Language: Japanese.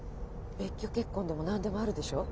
別居結婚でも何でもあるでしょう？